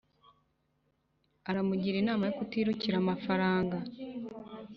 Aramugira inama yokutirukira amafaranga